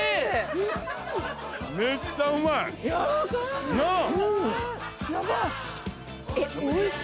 めっちゃうまい。なあ？